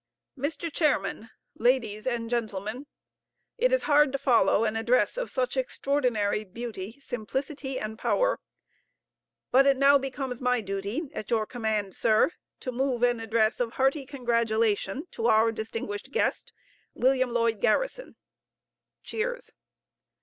MR. CHAIRMAN, LADIES, AND GENTLEMEN: It is hard to follow an address of such extraordinary beauty, simplicity and power; but it now becomes my duty at your command, sir, to move an address of hearty congratulation to our distinguished guest, William Lloyd Garrison. (Cheers.)